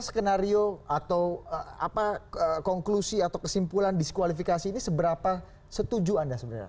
skenario atau konklusi atau kesimpulan diskualifikasi ini seberapa setuju anda sebenarnya